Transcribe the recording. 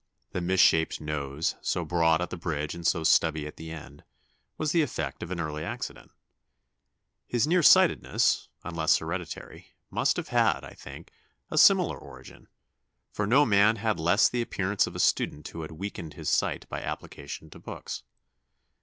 The misshaped nose, so broad at the bridge and so stubby at the end, was the effect of an early accident. His near sightedness, unless hereditary, must have had, I think, a similar origin, for no man had less the appearance of a student who had weakened his sight by application to books.